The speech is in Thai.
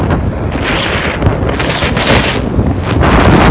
แต่ว่าเมืองนี้ก็ไม่เหมือนกับเมืองอื่น